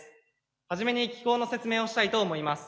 初めに機構の説明をしたいと思います。